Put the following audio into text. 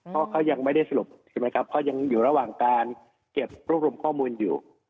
เพราะเขายังไม่ได้สรุปใช่ไหมครับเขายังอยู่ระหว่างการเก็บรวบรวมข้อมูลอยู่